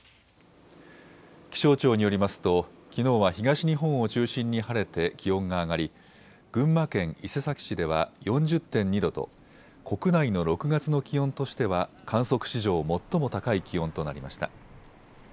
気象庁によりますときのうは東日本を中心に晴れて気温が上がり群馬県伊勢崎市では４０．２度と国内の６月の気温としては観測史上、最も高い気温となりました。